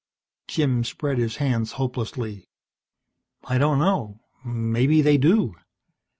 Jim spread his hands hopelessly. "I don't know. Maybe they do.